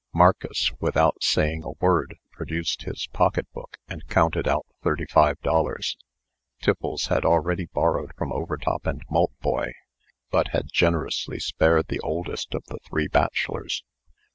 Marcus, without saying a word, produced his pocket book, and counted out thirty five dollars. Tiffles had already borrowed from Overtop and Maltboy, but had generously spared the oldest of the three bachelors.